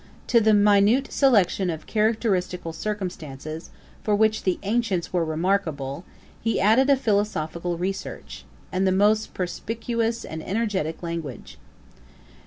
To the minute selection of characteristical circumstances, for which the ancients were remarkable, he added a philosophical research, and the most perspicuous and energetick language.